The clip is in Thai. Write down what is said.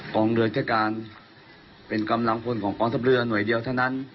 เรือชะการเป็นกำลังพลของกองทัพเรือหน่วยเดียวเท่านั้น